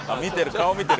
顔見てる。